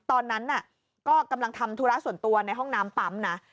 ตอนนั้นก็กำลังทำธุระส่วนตัวในห้องน้ำปั๊มนะ